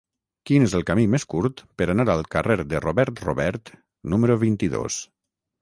Quin és el camí més curt per anar al carrer de Robert Robert número vint-i-dos?